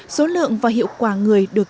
số lượng và hiệu quả người được